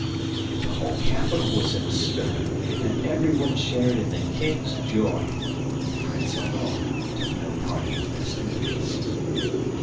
The whole capital was in a stir, and everyone shared in the King's joy; the Prince alone took no part in the festivities.